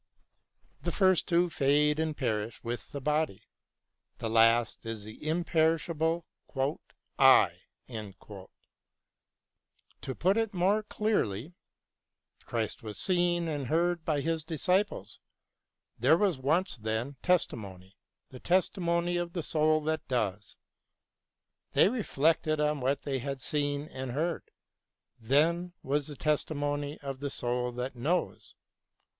The first two fade and perish with the body ; the last is the imperishable " I." To put it more clearly : Christ was seen and heard by His disciples : there was once, then, testimony — the testimony of the soul that does. They reflected on what they had seen and heard — ^then was the testimony of the soul that knows.